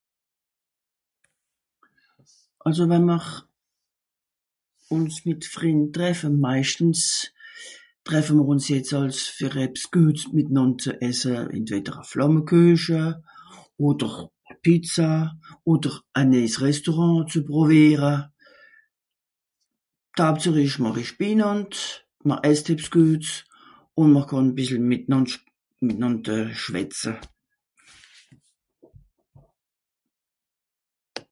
also wem'r ùns mìt Frìnd treffe maischtens treffem'r ùns jetzt àls ver ebs guets mìtnànd zu esse entweder a Flammenkueche oder a Pizza oder a neijs restaurant zu proveere ... esch binànd mer esst ebs guet un mer kànn bìssle mìtnand mìtnand schwetze